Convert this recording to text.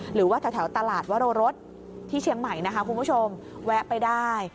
หรือว่าแถวตลาดวรรสที่เชียงใหม่นะคะคุณผู้ชมแวะไปได้